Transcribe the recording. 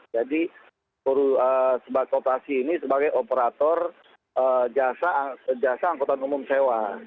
jadi sebab kooperasi ini sebagai operator jasa angkutan umum sewa